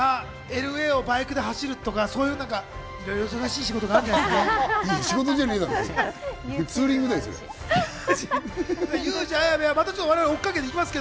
ＬＡをバイクで走るとか、お忙しい仕事があるんじゃないですか？